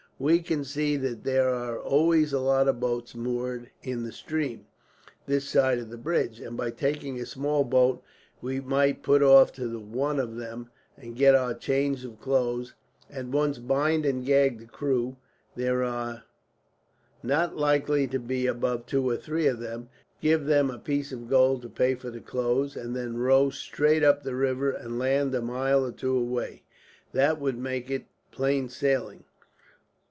We can see that there are always a lot of boats moored in the stream, this side of the bridge; and by taking a small boat, we might put off to one of them and get our change of clothes, at once bind and gag the crew there are not likely to be above two or three of them give them a piece of gold to pay for the clothes, and then row straight up the river and land a mile or two away. That would make it plain sailing.